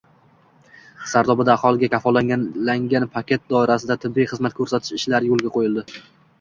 Sardobada aholiga kafolatlangan paket doirasida tibbiy xizmat ko‘rsatish ishlari yo‘lga qo‘yildi